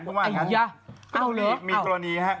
ทำอะไรอ้าวเหรออ่าวคณีย์พริก